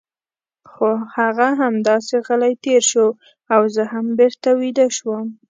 خو هغه همداسې غلی تېر شو او زه هم بېرته ویده شوم.